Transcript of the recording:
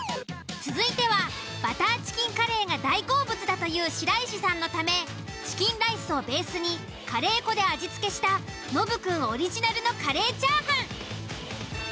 続いてはバターチキンカレーが大好物だという白石さんのためチキンライスをベースにカレー粉で味付けしたノブくんオリジナルのカレーチャーハン。